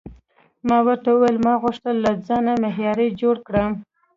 ما ورته وویل: ما غوښتل له ځانه معمار جوړ کړم.